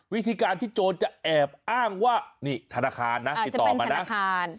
วิธีการที่โจรจะแอบอ้างว่านี่ธนาคารนะติดต่อมานะธนาคาร